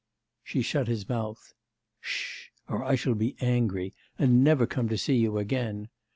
She shut his mouth.... 'Sh or I shall be angry, and never come to see you again.